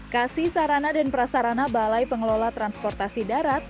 kasih sarana dan prasarana balai pengelola transportasi darat